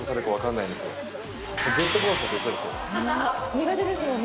苦手ですもんね。